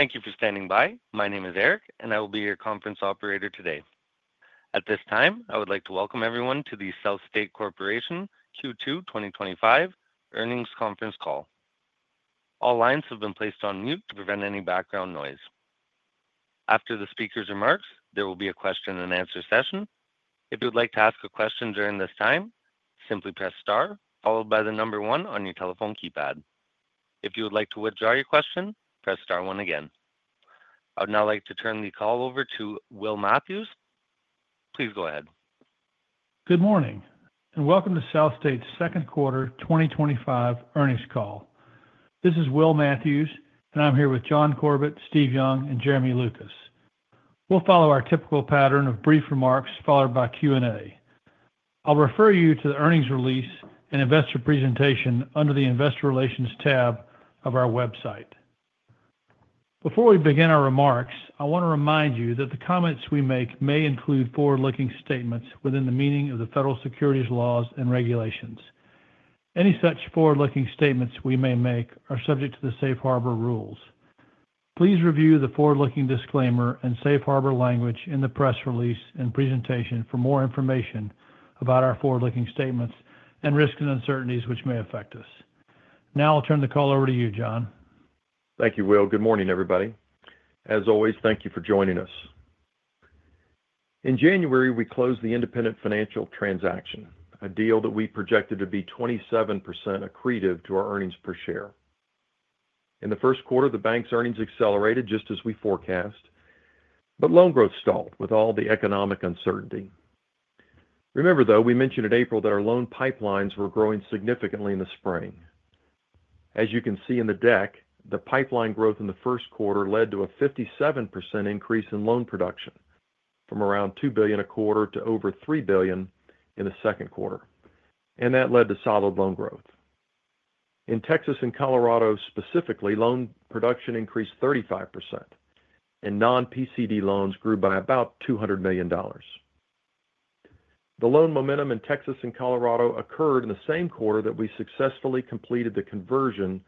Thank you for standing by. My name is Eric, and I will be your conference operator today. At this time, I would like to welcome everyone to the SouthState Corporation Q2 2025 earnings conference call. All lines have been placed on mute to prevent any background noise. After the speaker's remarks, there will be a question-and-answer session. If you would like to ask a question during this time, simply press star followed by the number one on your telephone keypad. If you would like to withdraw your question, press star one again. I would now like to turn the call over to Will Matthews. Please go ahead. Good morning, and welcome to SouthState's second quarter 2025 earnings call. This is Will Matthews, and I'm here with John Corbett, Steve Young, and Jeremy Lucas. We'll follow our typical pattern of brief remarks followed by Q&A. I'll refer you to the earnings release and investor presentation under the Investor Relations tab of our website. Before we begin our remarks, I want to remind you that the comments we make may include forward-looking statements within the meaning of the federal securities laws and regulations. Any such forward-looking statements we may make are subject to the safe harbor rules. Please review the forward-looking disclaimer and safe harbor language in the press release and presentation for more information about our forward-looking statements and risks and uncertainties which may affect us. Now I'll turn the call over to you, John. Thank you, Will. Good morning, everybody. As always, thank you for joining us. In January, we closed the Independent Financial transaction, a deal that we projected to be 27% accretive to our earnings per share. In the first quarter, the bank's earnings accelerated just as we forecast. Loan growth stalled with all the economic uncertainty. Remember, though, we mentioned in April that our loan pipelines were growing significantly in the spring. As you can see in the deck, the pipeline growth in the first quarter led to a 57% increase in loan production from around $2 billion a quarter to over $3 billion in the second quarter, and that led to solid loan growth. In Texas and Colorado specifically, loan production increased 35%. Non-PCD loans grew by about $200 million. The loan momentum in Texas and Colorado occurred in the same quarter that we successfully completed the conversion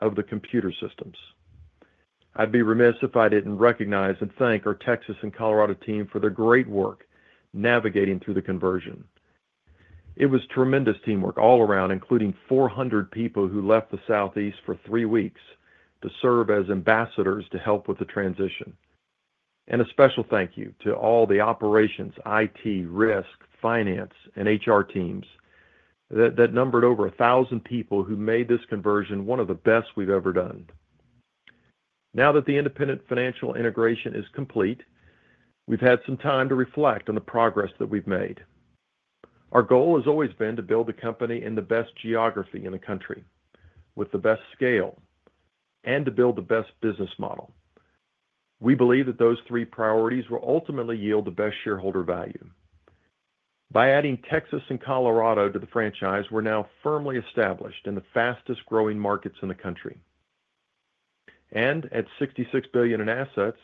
of the computer systems. I'd be remiss if I didn't recognize and thank our Texas and Colorado team for their great work navigating through the conversion. It was tremendous teamwork all around, including 400 people who left the Southeast for three weeks to serve as ambassadors to help with the transition. A special thank you to all the operations, IT, risk, finance, and HR teams that numbered over 1,000 people who made this conversion one of the best we've ever done. Now that the Independent Financial integration is complete, we've had some time to reflect on the progress that we've made. Our goal has always been to build the company in the best geography in the country with the best scale and to build the best business model. We believe that those three priorities will ultimately yield the best shareholder value. By adding Texas and Colorado to the franchise, we're now firmly established in the fastest-growing markets in the country. At $66 billion in assets,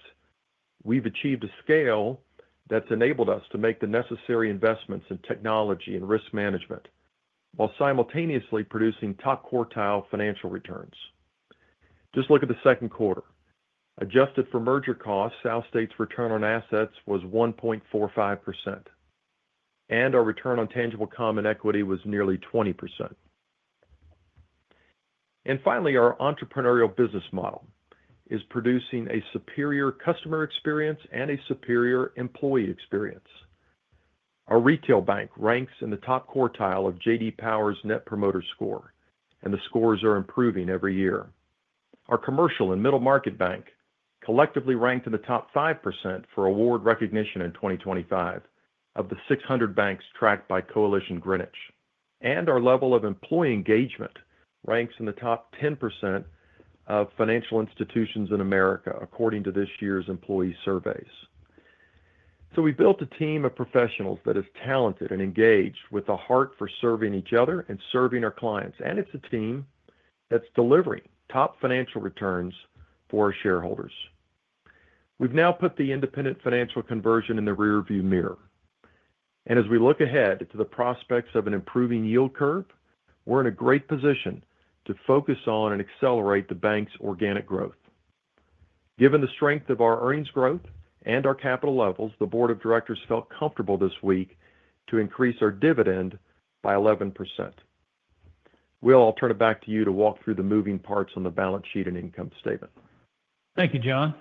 we've achieved a scale that's enabled us to make the necessary investments in technology and risk management while simultaneously producing top-quartile financial returns. Just look at the second quarter. Adjusted for merger costs, SouthState's return on assets was 1.45%. Our return on tangible common equity was nearly 20%. Finally, our entrepreneurial business model is producing a superior customer experience and a superior employee experience. Our retail bank ranks in the top quartile of JD Power's net promoter score, and the scores are improving every year. Our commercial and middle market bank collectively ranked in the top 5% for award recognition in 2025 of the 600 banks tracked by Coalition Greenwich. Our level of employee engagement ranks in the top 10% of financial institutions in America according to this year's employee surveys. We've built a team of professionals that is talented and engaged with a heart for serving each other and serving our clients. It's a team that's delivering top financial returns for our shareholders. We've now put the Independent Financial conversion in the rearview mirror. As we look ahead to the prospects of an improving yield curve, we're in a great position to focus on and accelerate the bank's organic growth. Given the strength of our earnings growth and our capital levels, the board of directors felt comfortable this week to increase our dividend by 11%. Will, I'll turn it back to you to walk through the moving parts on the balance sheet and income statement. Thank you, John.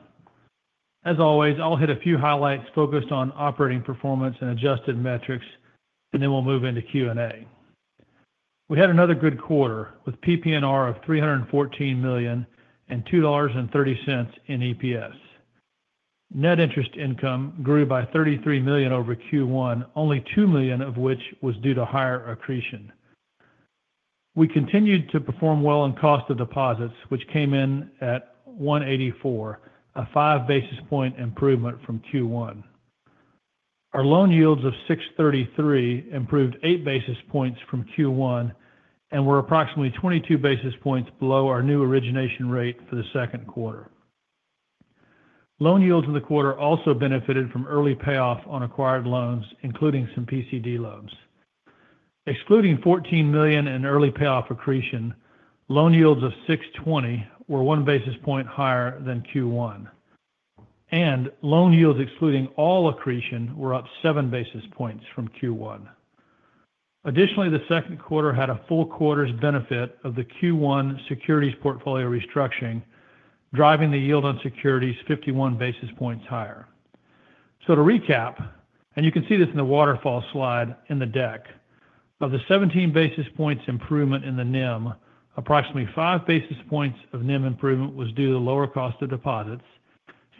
As always, I'll hit a few highlights focused on operating performance and adjusted metrics, and then we'll move into Q&A. We had another good quarter with PP&R of $314 million. And $2.30 in EPS. Net interest income grew by $33 million over Q1, only $2 million of which was due to higher accretion. We continued to perform well on cost of deposits, which came in at $184, a 5 basis point improvement from Q1. Our loan yields of $633 improved 8 basis points from Q1 and were approximately 22 basis points below our new origination rate for the second quarter. Loan yields in the quarter also benefited from early payoff on acquired loans, including some PCD loans. Excluding $14 million in early payoff accretion, loan yields of $620 were 1 basis point higher than Q1. And loan yields excluding all accretion were up 7 basis points from Q1. Additionally, the second quarter had a full quarter's benefit of the Q1 securities portfolio restructuring, driving the yield on securities 51 basis points higher. To recap, and you can see this in the waterfall slide in the deck, of the 17 basis points improvement in the NIM, approximately 5 basis points of NIM improvement was due to the lower cost of deposits,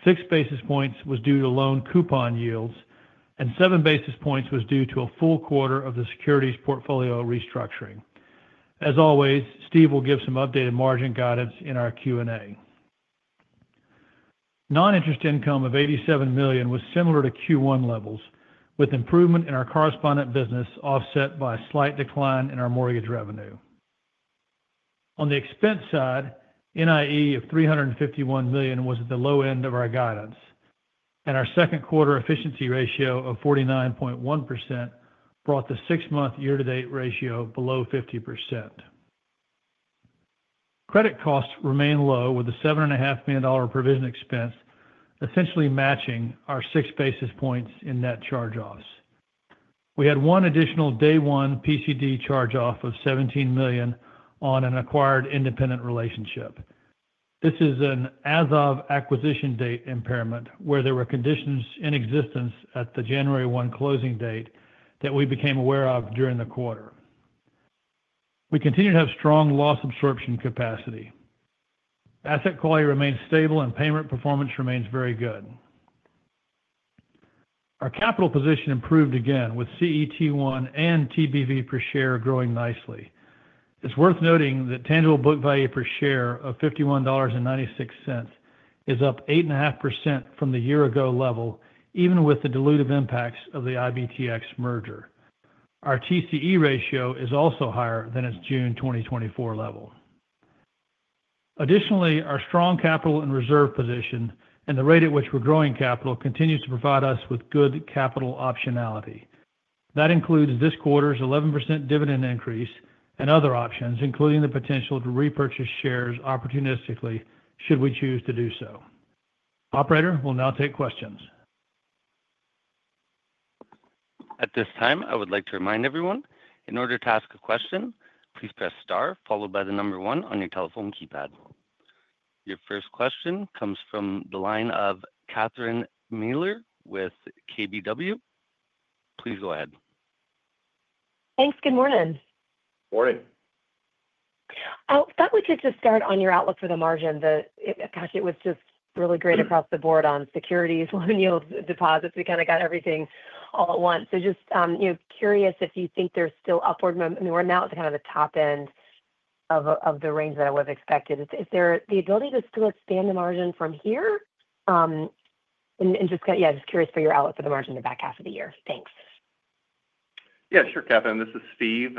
6 basis points was due to loan coupon yields, and 7 basis points was due to a full quarter of the securities portfolio restructuring. As always, Steve will give some updated margin guidance in our Q&A. Non-interest income of $87 million was similar to Q1 levels, with improvement in our correspondent business offset by a slight decline in our mortgage revenue. On the expense side, NIE of $351 million was at the low end of our guidance, and our second quarter efficiency ratio of 49.1% brought the six-month year-to-date ratio below 50%. Credit costs remain low, with a $7.5 million provision expense essentially matching our 6 basis points in net charge-offs. We had one additional day-one PCD charge-off of $17 million on an acquired independent relationship. This is an as-of acquisition date impairment where there were conditions in existence at the January 1 closing date that we became aware of during the quarter. We continue to have strong loss absorption capacity. Asset quality remains stable, and payment performance remains very good. Our capital position improved again, with CET1 and TBV per share growing nicely. It's worth noting that tangible book value per share of $51.96 is up 8.5% from the year-ago level, even with the dilutive impacts of the IBTX merger. Our TCE ratio is also higher than its June 2024 level. Additionally, our strong capital and reserve position and the rate at which we're growing capital continue to provide us with good capital optionality. That includes this quarter's 11% dividend increase and other options, including the potential to repurchase shares opportunistically should we choose to do so. Operator, we'll now take questions. At this time, I would like to remind everyone, in order to ask a question, please press star followed by the number one on your telephone keypad. Your first question comes from the line of Catherine Mealor with KBW. Please go ahead. Thanks. Good morning. Morning. I thought we could just start on your outlook for the margin. Gosh, it was just really great across the board on securities, loan yields, deposits. We kind of got everything all at once. Just curious if you think there's still upward movement. I mean, we're now at kind of the top end of the range that I would have expected. Is there the ability to still expand the margin from here? Just curious for your outlook for the margin in the back half of the year. Thanks. Yeah, sure, Catherine. This is Steve.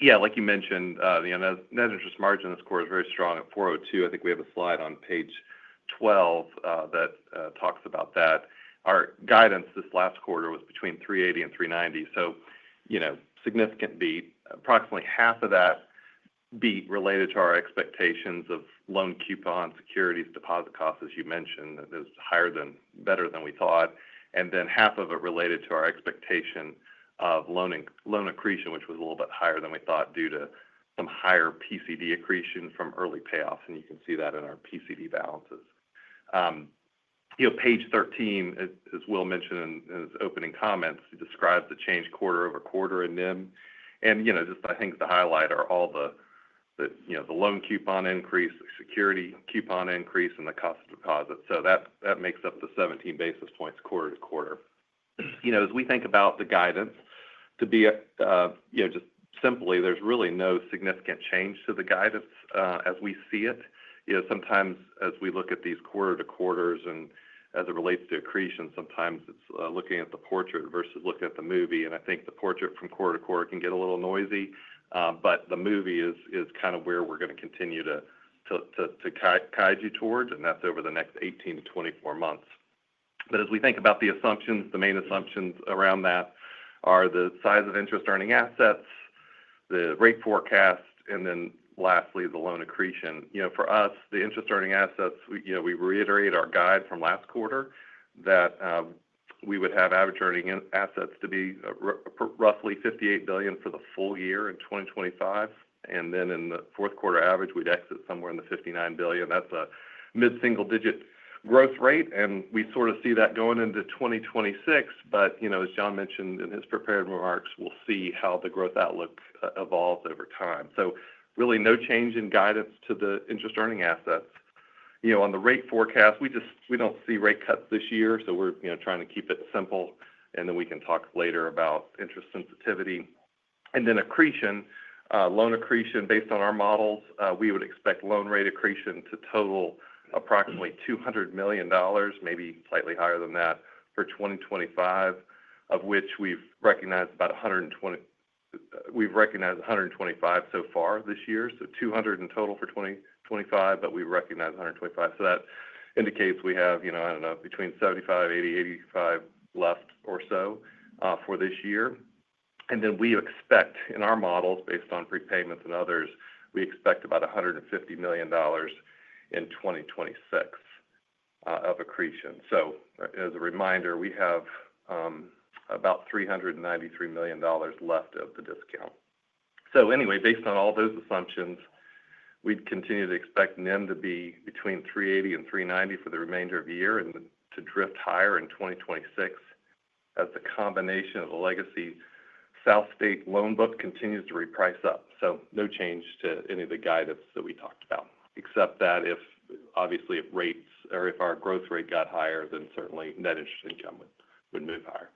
Yeah, like you mentioned, the net interest margin score is very strong at 4.02. I think we have a slide on page 12 that talks about that. Our guidance this last quarter was between 3.80 and 3.90, so. Significant beat. Approximately half of that beat related to our expectations of loan coupon securities, deposit costs, as you mentioned, that is better than we thought. And then half of it related to our expectation of loan accretion, which was a little bit higher than we thought due to some higher PCD accretion from early payoffs. You can see that in our PCD balances. Page 13, as Will mentioned in his opening comments, describes the change quarter over quarter in NIM. I think the highlight are all the loan coupon increase, the security coupon increase, and the cost of deposits. That makes up the 17 basis points quarter to quarter. As we think about the guidance, to be just simply, there is really no significant change to the guidance as we see it. Sometimes, as we look at these quarter to quarters and as it relates to accretion, sometimes it is looking at the portrait versus looking at the movie. I think the portrait from quarter to quarter can get a little noisy, but the movie is kind of where we are going to continue to guide you towards, and that is over the next 18-24 months. As we think about the assumptions, the main assumptions around that are the size of interest-earning assets, the rate forecast, and then lastly, the loan accretion. For us, the interest-earning assets, we reiterate our guide from last quarter that we would have average earning assets to be roughly $58 billion for the full year in 2025. In the fourth quarter average, we would exit somewhere in the $59 billion. That is a mid-single-digit growth rate. We sort of see that going into 2026. As John mentioned in his prepared remarks, we will see how the growth outlook evolves over time. Really, no change in guidance to the interest-earning assets. On the rate forecast, we do not see rate cuts this year, so we are trying to keep it simple, and then we can talk later about interest sensitivity. Accretion, loan accretion, based on our models, we would expect loan rate accretion to total approximately $200 million, maybe slightly higher than that for 2025, of which we have recognized about $125 million so far this year. So $200 million in total for 2025, but we recognize $125 million. That indicates we have, I do not know, between $75 million, $80 million, $85 million left or so for this year. We expect, in our models, based on prepayments and others, about $150 million in 2026 of accretion. As a reminder, we have about $393 million left of the discount. Anyway, based on all those assumptions, we'd continue to expect NIM to be between 380 and 390 for the remainder of the year and to drift higher in 2026. As the combination of the legacy SouthState loan book continues to reprice up. No change to any of the guidance that we talked about, except that if, obviously, if rates or if our growth rate got higher, then certainly net interest income would move higher.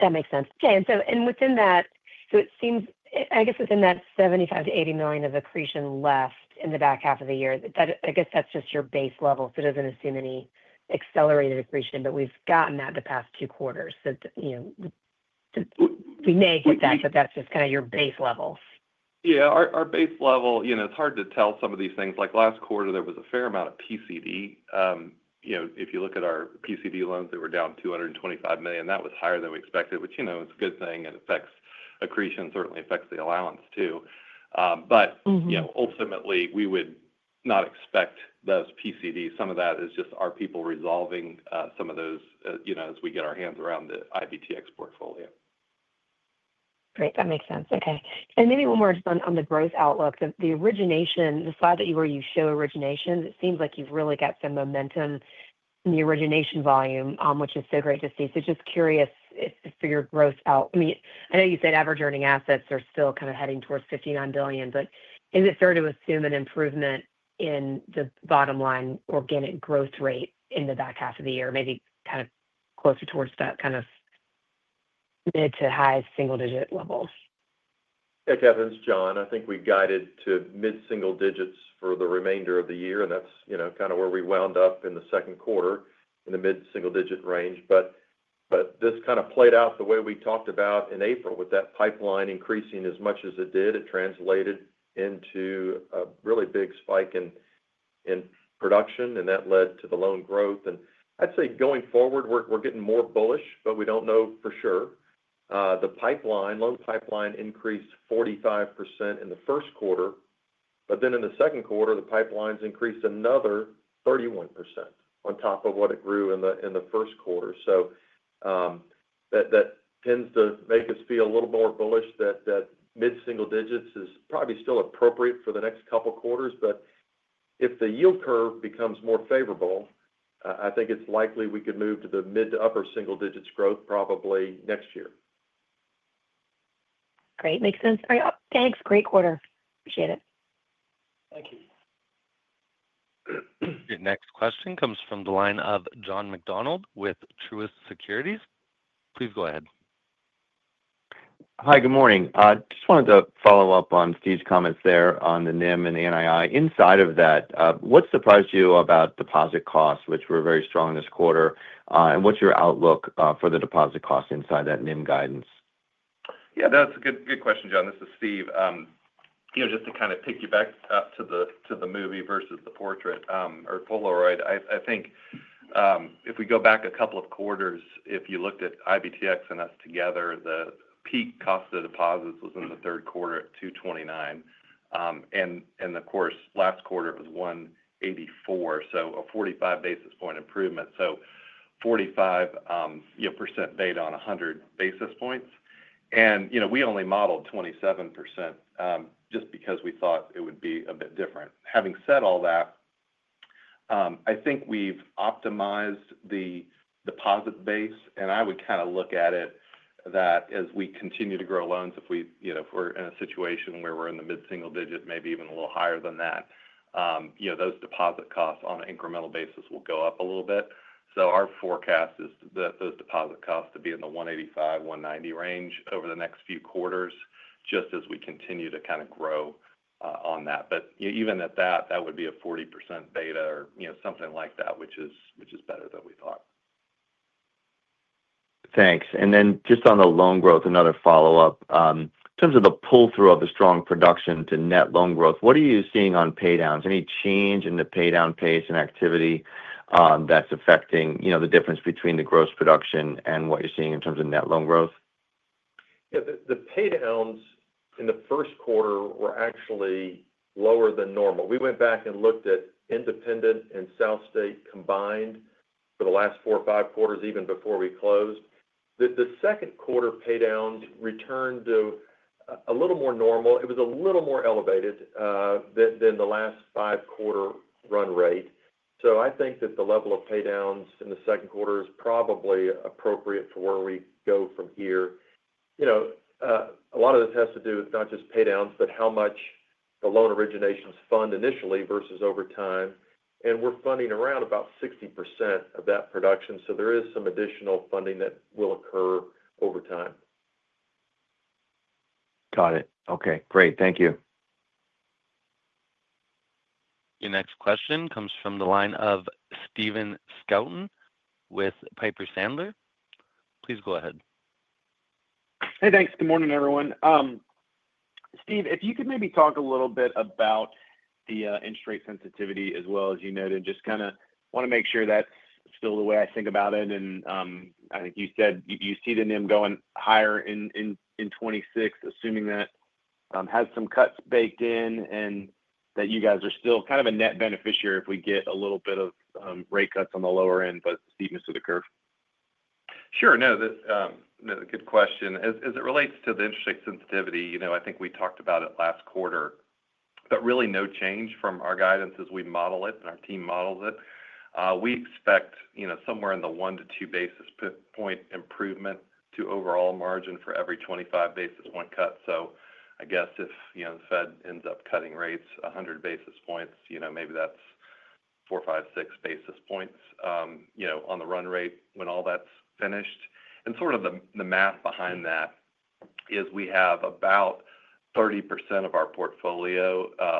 That makes sense. Okay. Within that, it seems, I guess, within that $75 million-$80 million of accretion left in the back half of the year, I guess that's just your base level. It does not assume any accelerated accretion. We've gotten that the past two quarters. We may get that, but that's just kind of your base level. Yeah. Our base level, it's hard to tell some of these things. Like last quarter, there was a fair amount of PCD. If you look at our PCD loans, they were down $225 million. That was higher than we expected, which is a good thing. It affects accretion, certainly affects the allowance, too. Ultimately, we would not expect those PCD. Some of that is just our people resolving some of those as we get our hands around the IBTX portfolio. Great. That makes sense. Okay. Maybe one more just on the growth outlook. The origination, the slide that you were, you show origination. It seems like you've really got some momentum in the origination volume, which is so great to see. Just curious for your growth out. I mean, I know you said average earning assets are still kind of heading towards $59 billion, but is it fair to assume an improvement in the bottom line organic growth rate in the back half of the year, maybe kind of closer towards that kind of mid to high single-digit level? Hey, Catherine, it's John. I think we guided to mid-single digits for the remainder of the year. That's kind of where we wound up in the second quarter, in the mid-single-digit range. This kind of played out the way we talked about in April, with that pipeline increasing as much as it did. It translated into a really big spike in production, and that led to the loan growth. I'd say going forward, we're getting more bullish, but we don't know for sure. The loan pipeline increased 45% in the first quarter, but then in the second quarter, the pipelines increased another 31% on top of what it grew in the first quarter. That tends to make us feel a little more bullish that mid-single digits is probably still appropriate for the next couple of quarters. If the yield curve becomes more favorable, I think it's likely we could move to the mid- to upper-single digits growth probably next year. Great. Makes sense. Thanks. Great quarter. Appreciate it. Thank you. The next question comes from the line of John McDonald with Truist Securities. Please go ahead. Hi, good morning. Just wanted to follow up on Steve's comments there on the NIM and NII. Inside of that, what surprised you about deposit costs, which were very strong this quarter, and what's your outlook for the deposit costs inside that NIM guidance? Yeah, that's a good question, John. This is Steve. Just to kind of pick you back up to the movie versus the portrait or Polaroid, I think. If we go back a couple of quarters, if you looked at IBTX and us together, the peak cost of deposits was in the third quarter at 229. And of course, last quarter, it was 184, so a 45 basis point improvement. So 45% beta on 100 basis points. And we only modeled 27% just because we thought it would be a bit different. Having said all that. I think we've optimized the deposit base. I would kind of look at it that as we continue to grow loans, if we're in a situation where we're in the mid-single digit, maybe even a little higher than that. Those deposit costs on an incremental basis will go up a little bit. Our forecast is that those deposit costs to be in the 185-190 range over the next few quarters, just as we continue to kind of grow on that. Even at that, that would be a 40% beta or something like that, which is better than we thought. Thanks. Just on the loan growth, another follow-up. In terms of the pull-through of the strong production to net loan growth, what are you seeing on paydowns? Any change in the paydown pace and activity that's affecting the difference between the gross production and what you're seeing in terms of net loan growth? Yeah. The paydowns in the first quarter were actually lower than normal. We went back and looked at Independent and SouthState combined for the last four or five quarters, even before we closed. The second quarter paydowns returned to a little more normal. It was a little more elevated than the last five-quarter run rate. I think that the level of paydowns in the second quarter is probably appropriate for where we go from here. A lot of this has to do with not just paydowns, but how much the loan originations fund initially versus over time. We're funding around about 60% of that production. There is some additional funding that will occur over time. Got it. Okay. Great. Thank you. Your next question comes from the line of Steven Scouten with Piper Sandler. Please go ahead. Hey, thanks. Good morning, everyone. Steve, if you could maybe talk a little bit about the interest rate sensitivity as well, as you noted, just kind of want to make sure that's still the way I think about it. I think you said you see the NIM going higher in 2026, assuming that has some cuts baked in and that you guys are still kind of a net beneficiary if we get a little bit of rate cuts on the lower end, but steepness of the curve. Sure. No. Good question. As it relates to the interest rate sensitivity, I think we talked about it last quarter, but really no change from our guidance as we model it and our team models it. We expect somewhere in the 1-2 basis point improvement to overall margin for every 25 basis point cut. I guess if the Fed ends up cutting rates 100 basis points, maybe that's 4, 5, 6 basis points on the run rate when all that's finished. The math behind that is we have about 30% of our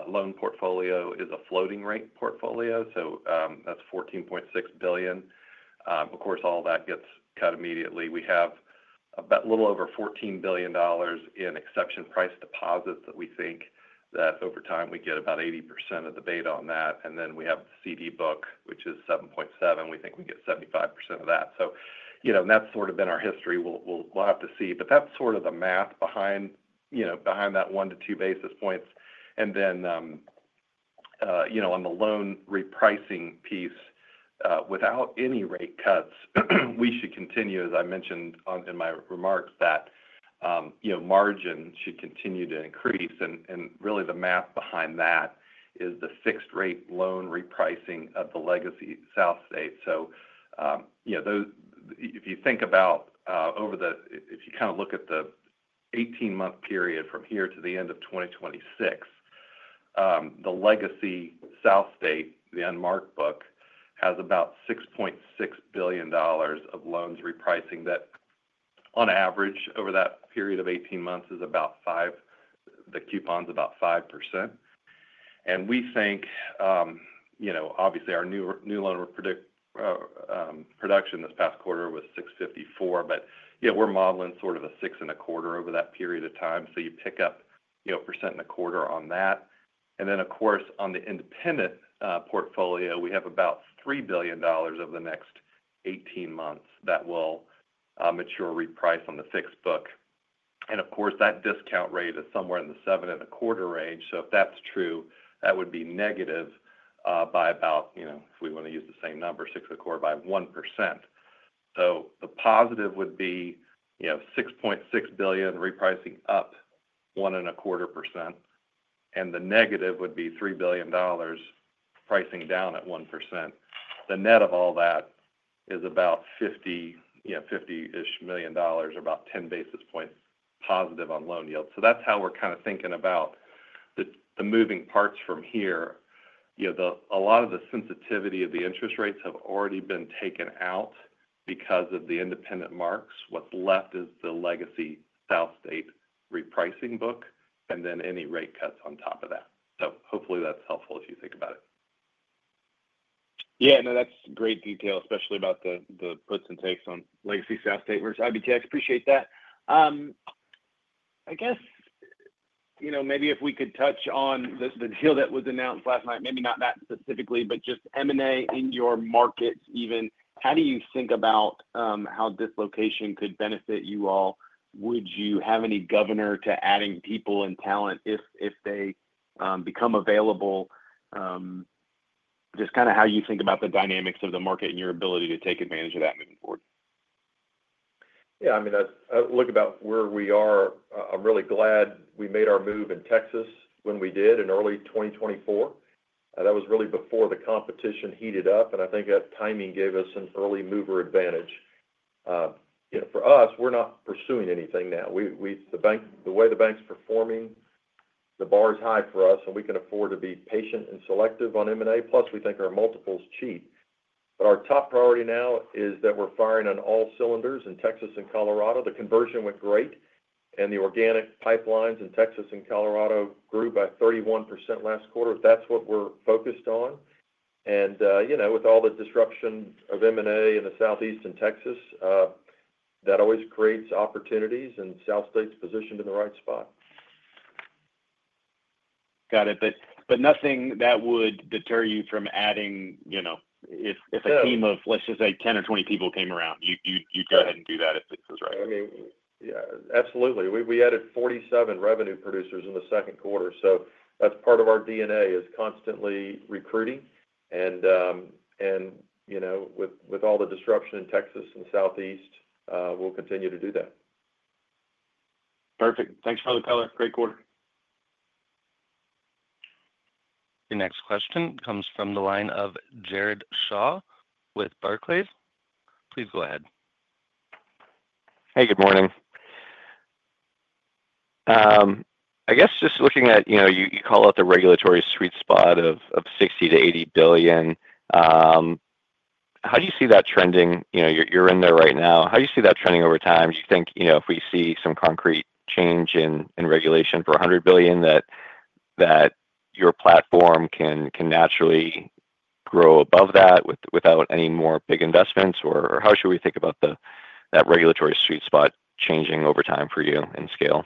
loan portfolio is a floating-rate portfolio. That's $14.6 billion. Of course, all that gets cut immediately. We have a little over $14 billion in exception price deposits that we think that over time we get about 80% of the beta on that. Then we have the CD book, which is $7.7 billion. We think we get 75% of that. That's sort of been our history. We'll have to see, but that's sort of the math behind that 1-2 basis points. On the loan repricing piece, without any rate cuts, we should continue, as I mentioned in my remarks, that margin should continue to increase. The math behind that is the fixed-rate loan repricing of the legacy SouthState. If you think about, if you kind of look at the 18-month period from here to the end of 2026, the legacy SouthState, the unmarked book, has about $6.6 billion of loans repricing. On average, over that period of 18 months, the coupon's about 5%. We think, obviously, our new loan production this past quarter was $654 million, but we're modeling sort of a 6.25% over that period of time. You pick up a percent and a quarter on that. Then, of course, on the independent portfolio, we have about $3 billion over the next 18 months that will mature, reprice on the fixed book. Of course, that discount rate is somewhere in the 7.25% range. If that's true, that would be negative by about, if we want to use the same number, 6.25% by 1%. The positive would be $6.6 billion repricing up 1.25%, and the negative would be $3 billion pricing down at 1%. The net of all that is about $50 million, about 10 basis points positive on loan yield. That's how we're kind of thinking about the moving parts from here. A lot of the sensitivity of the interest rates have already been taken out because of the independent marks. What's left is the legacy SouthState repricing book, and then any rate cuts on top of that. Hopefully, that's helpful if you think about it. Yeah. No, that's great detail, especially about the puts and takes on legacy SouthState versus IBTX. Appreciate that. I guess maybe if we could touch on the deal that was announced last night, maybe not that specifically, but just M&A in your markets even, how do you think about how dislocation could benefit you all? Would you have any governor to adding people and talent if they become available? Just kind of how you think about the dynamics of the market and your ability to take advantage of that moving forward. Yeah. I mean, I look about where we are. I'm really glad we made our move in Texas when we did in early 2024. That was really before the competition heated up. I think that timing gave us an early mover advantage. For us, we're not pursuing anything now. The way the bank's performing, the bar is high for us, and we can afford to be patient and selective on M&A. Plus, we think our multiple's cheap. Our top priority now is that we're firing on all cylinders in Texas and Colorado. The conversion went great. The organic pipelines in Texas and Colorado grew by 31% last quarter. That's what we're focused on. With all the disruption of M&A in the Southeast and Texas, that always creates opportunities and SouthState's positioned in the right spot. Got it. Nothing that would deter you from adding. If a team of, let's just say, 10 or 20 people came around, you'd go ahead and do that if this was right. I mean, yeah, absolutely. We added 47 revenue producers in the second quarter. That is part of our DNA is constantly recruiting. With all the disruption in Texas and Southeast, we will continue to do that. Perfect. Thanks for the color. Great quarter. Your next question comes from the line of Jared Shaw with Barclays. Please go ahead. Hey, good morning. I guess just looking at, you call it the regulatory sweet spot of $60 billion-$80 billion. How do you see that trending? You're in there right now. How do you see that trending over time? Do you think if we see some concrete change in regulation for $100 billion that your platform can naturally grow above that without any more big investments? Or how should we think about that regulatory sweet spot changing over time for you in scale?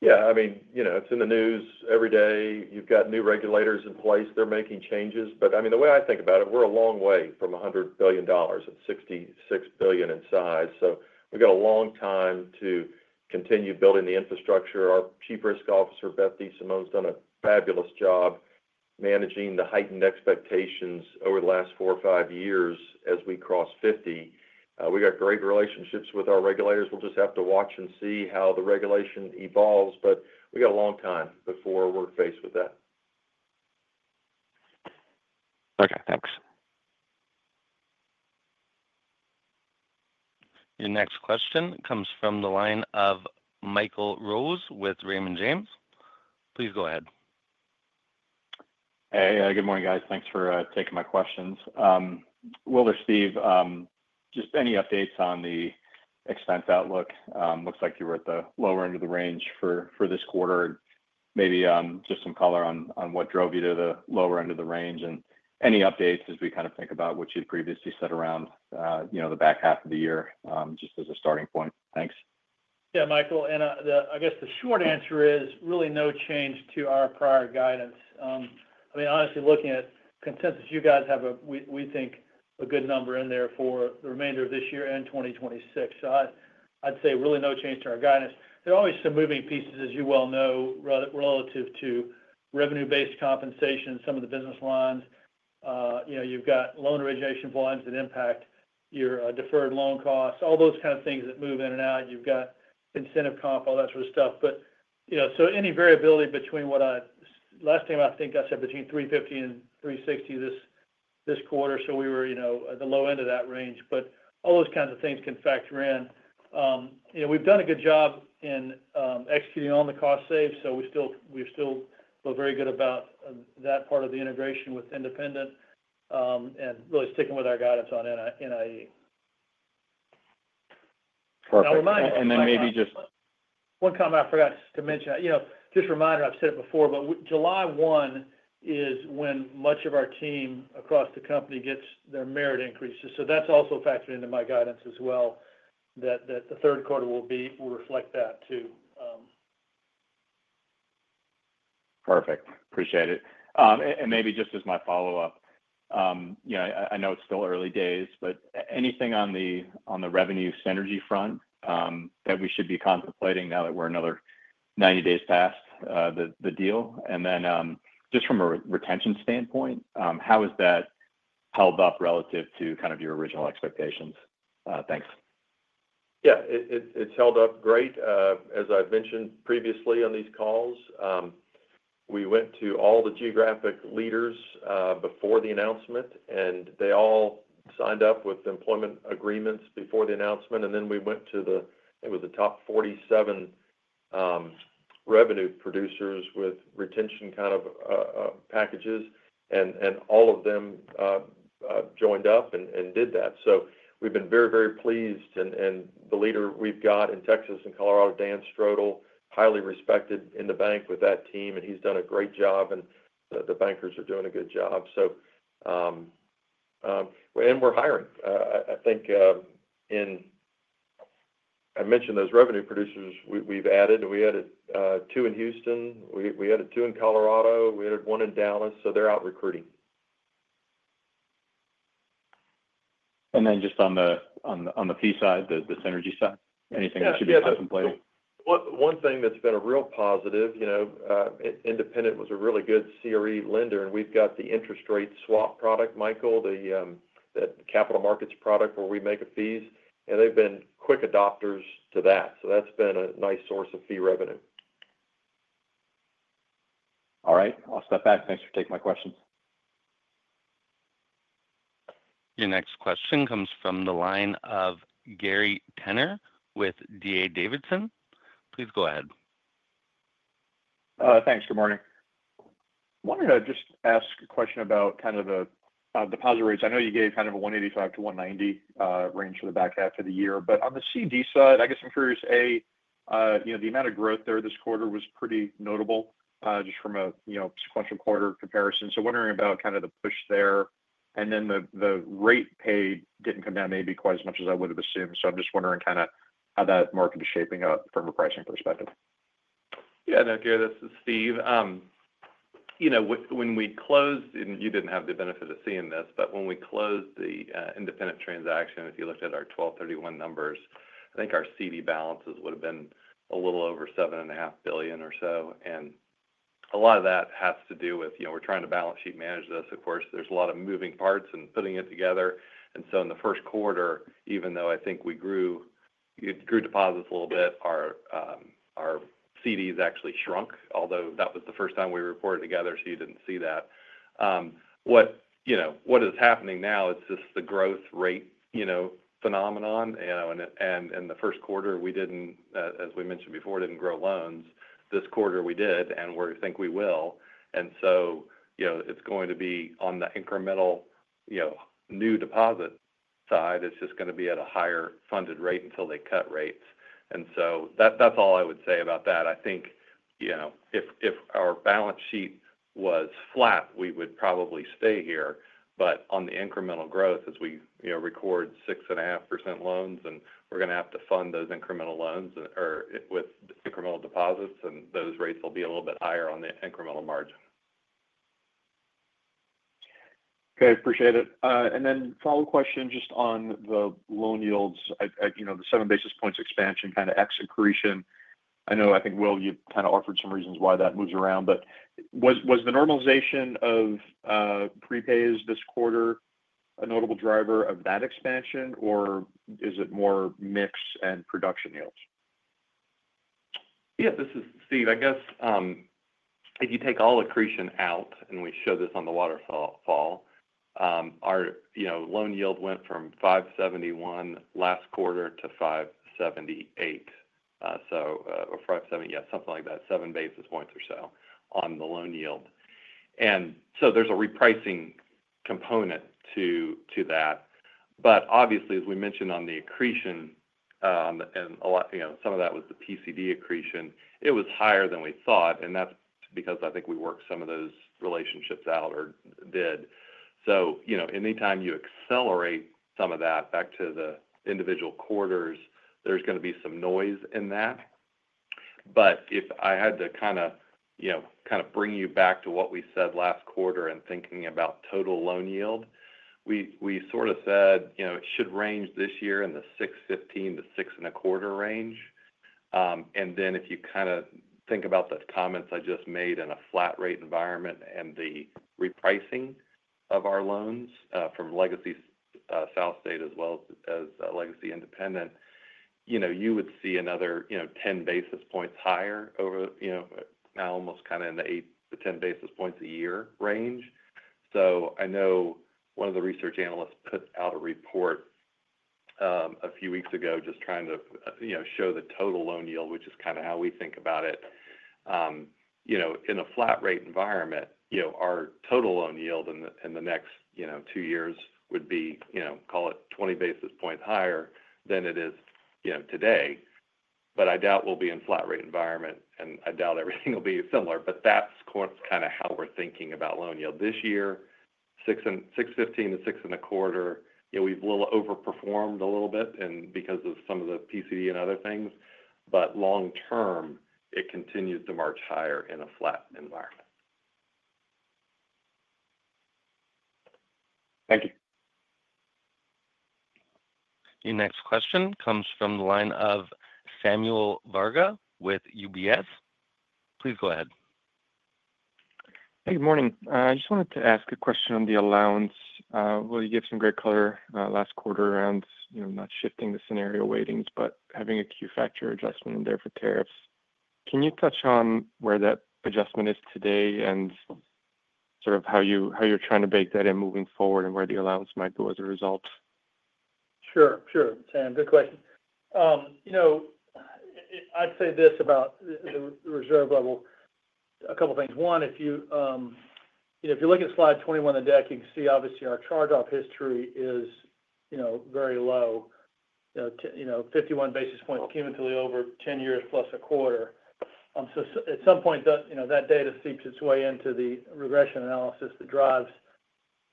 Yeah. I mean, it's in the news every day. You've got new regulators in place. They're making changes. I mean, the way I think about it, we're a long way from $100 billion. It's $66 billion in size. So we've got a long time to continue building the infrastructure. Our Chief Risk Officer, Beth DeSimone, has done a fabulous job. Managing the heightened expectations over the last four or five years as we crossed $50 billion. We got great relationships with our regulators. We'll just have to watch and see how the regulation evolves. We got a long time before we're faced with that. Okay. Thanks. Your next question comes from the line of Michael Rose with Raymond James. Please go ahead. Hey, good morning, guys. Thanks for taking my questions. Steve, just any updates on the expense outlook? Looks like you were at the lower end of the range for this quarter. Maybe just some color on what drove you to the lower end of the range and any updates as we kind of think about what you'd previously said around the back half of the year just as a starting point. Thanks. Yeah, Michael. I guess the short answer is really no change to our prior guidance. I mean, honestly, looking at consensus, you guys have, we think, a good number in there for the remainder of this year and 2026. I'd say really no change to our guidance. There are always some moving pieces, as you well know, relative to revenue-based compensation, some of the business lines. You have loan origination volumes that impact your deferred loan costs, all those kinds of things that move in and out. You have incentive comp, all that sort of stuff. Any variability between what I last think I said between 350 and 360 this quarter. We were at the low end of that range. All those kinds of things can factor in. We have done a good job in executing on the cost save. We are still very good about that part of the integration with Independent. Really sticking with our guidance on NIE. Perfect. And then maybe just. One comment I forgot to mention. Just a reminder, I've said it before, but July 1 is when much of our team across the company gets their merit increases. So that's also factored into my guidance as well, that the third quarter will reflect that too. Perfect. Appreciate it. Maybe just as my follow-up. I know it's still early days, but anything on the revenue synergy front that we should be contemplating now that we're another 90 days past the deal? Then just from a retention standpoint, how has that held up relative to kind of your original expectations? Thanks. Yeah. It's held up great. As I've mentioned previously on these calls, we went to all the geographic leaders before the announcement, and they all signed up with employment agreements before the announcement. Then we went to the, I think it was the top 47 revenue producers with retention kind of packages, and all of them joined up and did that. We've been very, very pleased. The leader we've got in Texas and Colorado, Dan Strodl, highly respected in the bank with that team, and he's done a great job. The bankers are doing a good job. We're hiring. I think in, I mentioned those revenue producers, we've added. We added two in Houston. We added two in Colorado. We added one in Dallas. They're out recruiting. Just on the fee side, the synergy side, anything that should be contemplated? One thing that's been a real positive. Independent was a really good CRE lender. And we've got the interest rate swap product, Michael, the capital markets product where we make a fees. And they've been quick adopters to that. So that's been a nice source of fee revenue. All right. I'll step back. Thanks for taking my questions. Your next question comes from the line of Gary Tenner with D.A. Davidson. Please go ahead. Thanks. Good morning. I wanted to just ask a question about kind of the deposit rates. I know you gave kind of a 1.85%-1.90% range for the back half of the year. On the CD side, I guess I'm curious, A, the amount of growth there this quarter was pretty notable just from a sequential quarter comparison. I am wondering about kind of the push there. The rate paid did not come down maybe quite as much as I would have assumed. I am just wondering kind of how that market is shaping up from a pricing perspective. Yeah. No, Gary, this is Steve. When we closed, and you did not have the benefit of seeing this, but when we closed the Independent transaction, if you looked at our December 31 numbers, I think our CD balances would have been a little over $7.5 billion or so. A lot of that has to do with we are trying to balance sheet manage this. Of course, there is a lot of moving parts and putting it together. In the first quarter, even though I think we grew deposits a little bit, our CDs actually shrunk, although that was the first time we reported together, so you did not see that. What is happening now is just the growth rate phenomenon. In the first quarter, as we mentioned before, did not grow loans. This quarter, we did, and we think we will. It is going to be on the incremental new deposit side. It is just going to be at a higher funded rate until they cut rates. That is all I would say about that. I think if our balance sheet was flat, we would probably stay here. On the incremental growth, as we record 6.5% loans, and we are going to have to fund those incremental loans with incremental deposits, those rates will be a little bit higher on the incremental margin. Okay. Appreciate it. Then follow-up question just on the loan yields, the 7 basis points expansion kind of accretion. I know I think Will, you've kind of offered some reasons why that moves around. Was the normalization of prepays this quarter a notable driver of that expansion, or is it more mix and production yields? Yeah. This is Steve. I guess. If you take all accretion out and we show this on the waterfall. Our loan yield went from 5.71 last quarter to 5.78. So 5.70, yeah, something like that, 7 basis points or so on the loan yield. There is a repricing component to that. Obviously, as we mentioned on the accretion. Some of that was the PCD accretion, it was higher than we thought. That is because I think we worked some of those relationships out or did. Anytime you accelerate some of that back to the individual quarters, there is going to be some noise in that. If I had to kind of bring you back to what we said last quarter and thinking about total loan yield. We sort of said it should range this year in the 6.15-6.25 range. If you kind of think about the comments I just made in a flat rate environment and the repricing of our loans from Legacy SouthState as well as Legacy Independent, you would see another 10 basis points higher over. Now, almost kind of in the 8-10 basis points a year range. I know one of the research analysts put out a report a few weeks ago just trying to show the total loan yield, which is kind of how we think about it. In a flat rate environment, our total loan yield in the next two years would be, call it 20 basis points higher than it is today. I doubt we will be in a flat rate environment. I doubt everything will be similar. That is kind of how we are thinking about loan yield this year. 6.15-6.25, we have overperformed a little bit because of some of the PCD and other things. Long term, it continues to march higher in a flat environment. Thank you. Your next question comes from the line of Samuel Varga with UBS. Please go ahead. Hey, good morning. I just wanted to ask a question on the allowance. You gave some great color last quarter around not shifting the scenario weightings, but having a Q factor adjustment in there for tariffs. Can you touch on where that adjustment is today and sort of how you're trying to bake that in moving forward and where the allowance might go as a result? Sure. Sure. Sam, good question. I'd say this about the reserve level, a couple of things. One, if you look at slide 21 of the deck, you can see obviously our charge-off history is very low. 51 basis points cumulatively over 10+ years a quarter. At some point, that data seeps its way into the regression analysis that drives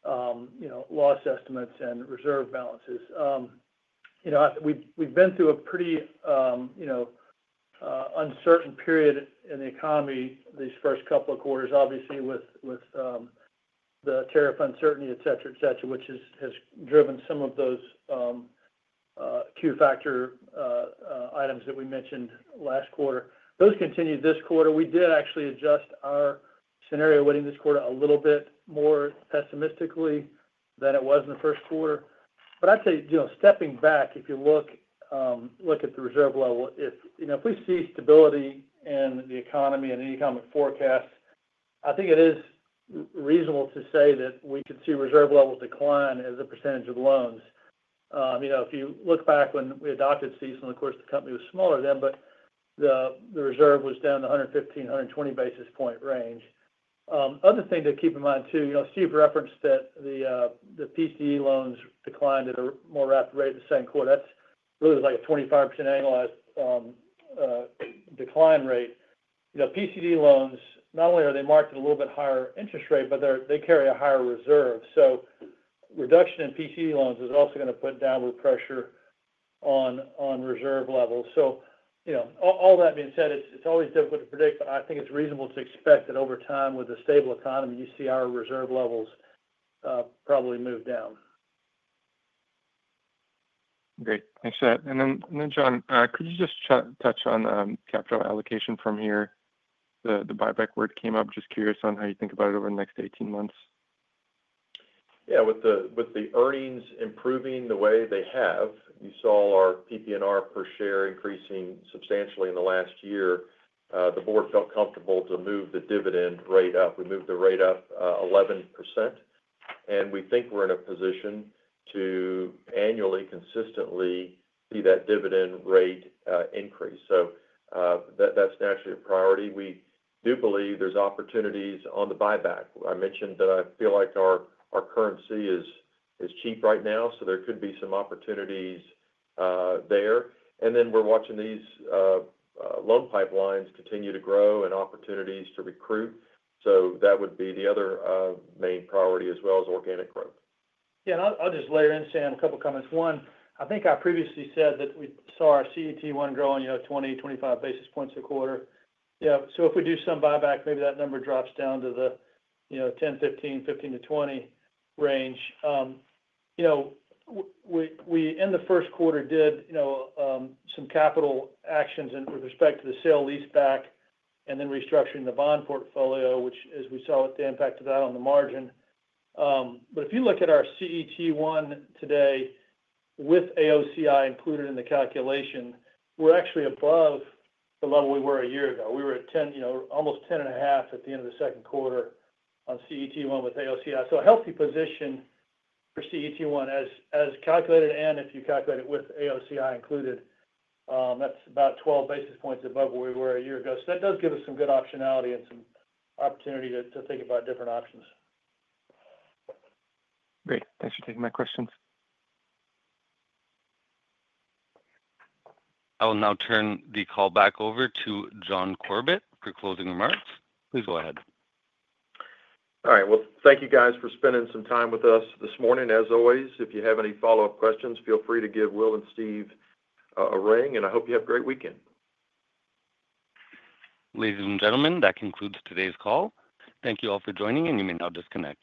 loss estimates and reserve balances. We've been through a pretty uncertain period in the economy these first couple of quarters, obviously, with the tariff uncertainty, etc., etc., which has driven some of those Q factor items that we mentioned last quarter. Those continue this quarter. We did actually adjust our scenario weighting this quarter a little bit more pessimistically than it was in the first quarter. I'd say stepping back, if you look at the reserve level, if we see stability in the economy and the economic forecast, I think it is reasonable to say that we could see reserve levels decline as a percentage of loans. If you look back when we adopted CECL, of course, the company was smaller then, but the reserve was down to 115-120 basis point range. Other thing to keep in mind too, Steve referenced that the PCD loans declined at a more rapid rate the second quarter. That's really like a 25% annualized decline rate. PCD loans, not only are they marked at a little bit higher interest rate, but they carry a higher reserve. Reduction in PCD loans is also going to put downward pressure on reserve levels. All that being said, it's always difficult to predict, but I think it's reasonable to expect that over time with a stable economy, you see our reserve levels probably move down. Great. Thanks for that. John, could you just touch on capital allocation from here? The buyback word came up. Just curious on how you think about it over the next 18 months. Yeah. With the earnings improving the way they have, you saw our PP&R per share increasing substantially in the last year. The board felt comfortable to move the dividend rate up. We moved the rate up 11%. And we think we're in a position to annually consistently see that dividend rate increase. That's naturally a priority. We do believe there's opportunities on the buyback. I mentioned that I feel like our currency is cheap right now, so there could be some opportunities there. We're watching these loan pipelines continue to grow and opportunities to recruit. That would be the other main priority as well as organic growth. Yeah. I'll just layer in, Sam, a couple of comments. One, I think I previously said that we saw our CET1 growing 20-25 basis points a quarter. If we do some buyback, maybe that number drops down to the 10-15, 15-20 range. We in the first quarter did some capital actions with respect to the sale leaseback and then restructuring the bond portfolio, which, as we saw, with the impact of that on the margin. If you look at our CET1 today with AOCI included in the calculation, we're actually above the level we were a year ago. We were at almost 10.5 at the end of the second quarter on CET1 with AOCI. A healthy position for CET1 as calculated, and if you calculate it with AOCI included, that's about 12 basis points above where we were a year ago. That does give us some good optionality and some opportunity to think about different options. Great. Thanks for taking my questions. I will now turn the call back over to John Corbett for closing remarks. Please go ahead. All right. Thank you guys for spending some time with us this morning. As always, if you have any follow-up questions, feel free to give Will and Steve a ring. I hope you have a great weekend. Ladies and gentlemen, that concludes today's call. Thank you all for joining, and you may now disconnect.